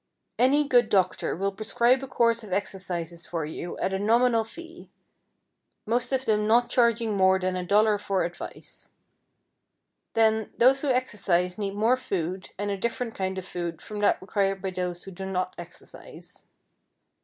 Any good doctor will prescribe a course of exercises for you at a nominal fee, most of them not charging more than a dollar for advice. Then, those who exercise need more food and a different kind of food from that required by those who do not exercise.